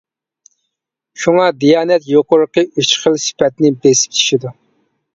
شۇڭا دىيانەت يۇقىرىقى ئۈچ خىل سۈپەتنى بېسىپ چۈشىدۇ.